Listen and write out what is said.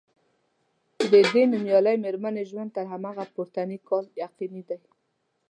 د دې نومیالۍ میرمنې ژوند تر همدغه پورتني کال یقیني دی.